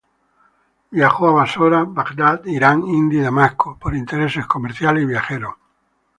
Viajó a Basora, Bagdad, Irán, India y Damasco, por intereses comerciales y viajeros.